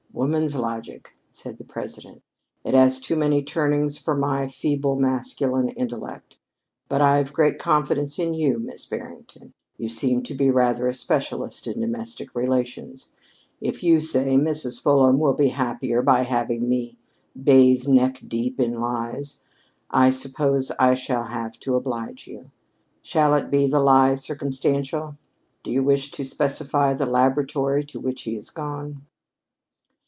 "Woman's logic," said the President. "It has too many turnings for my feeble masculine intellect. But I've great confidence in you, Miss Barrington. You seem to be rather a specialist in domestic relations. If you say Mrs. Fulham will be happier for having me bathe neck deep in lies, I suppose I shall have to oblige you. Shall it be the lie circumstantial? Do you wish to specify the laboratory to which he has gone?"